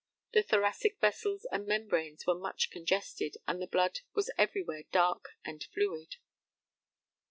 The thoracic vessels and membranes were much congested, and the blood was everywhere dark and fluid.